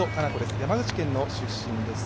山口県の出身です。